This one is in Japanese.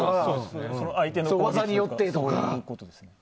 相手の技によってとか。